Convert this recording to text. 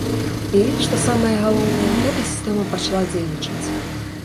І, што самае галоўнае, гэта сістэма пачала дзейнічаць!